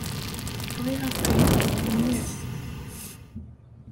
Bɣiɣ ad qqimeɣ deg tlemmast.